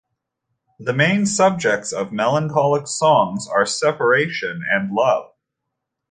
The main subjects of the melancholic songs are separation and love.